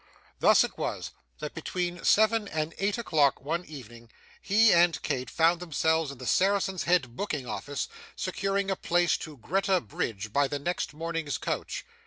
Thus it was that between seven and eight o'clock one evening, he and Kate found themselves in the Saracen's Head booking office, securing a place to Greta Bridge by the next morning's coach.